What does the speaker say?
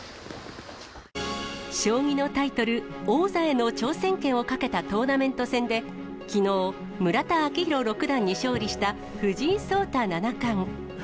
将棋のタイトル、王座への挑戦権をかけたトーナメント戦で、きのう、村田顕弘六段に勝利した藤井聡太七冠。